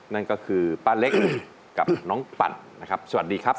นั่นก็คือป้าเล็กกับน้องปั่นนะครับสวัสดีครับ